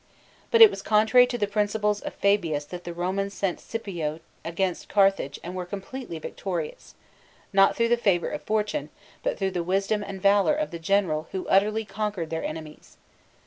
But it was contrary to the principles of Fabius that the Romans sent Scipio against Carthage and were completely victorious, not through the favour of fortune, but through the wisdom and valour of the general who utterly conquered their enemies.